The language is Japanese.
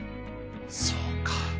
そうか。